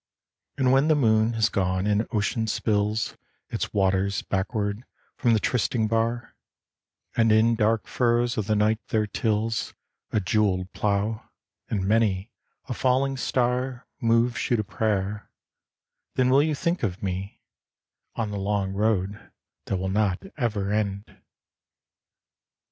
And when the moon has gone and ocean spills Its waters backward from the trysting bar, And in dark furrows of the night there tills A jewelled plough, and many a falling star Moves you to prayer, then will you think of me On the long road that will not ever end.